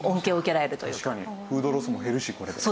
フードロスも減るしこれで。